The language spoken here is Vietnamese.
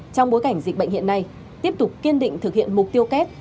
trong bối cảnh dịch bệnh hiện nay tiếp tục kiên định thực hiện mục tiêu kép